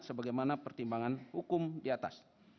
sebagaimana pertimbangan hukum di atas